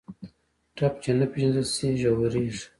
ټپ چې نه پېژندل شي، ژورېږي.